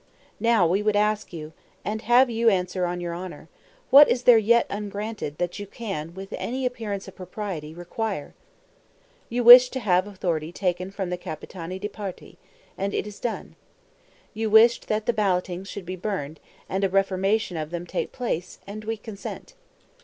Now we would ask you, and have you answer on your honor, What is there yet ungranted, that you can, with any appearance of propriety, require? You wished to have authority taken from the Capitani di Parte; and it is done. You wished that the ballotings should be burned, and a reformation of them take place; and we consent.